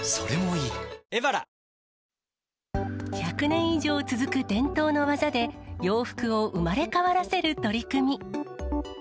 １００年以上続く伝統の技で、洋服を生まれ変わらせる取り組み。